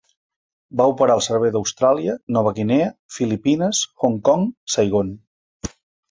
Va operar al servei d'Austràlia, Nova Guinea, Filipines, Hong Kong, Saigon.